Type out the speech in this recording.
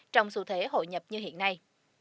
trong xu thế hội nhập như hiện nay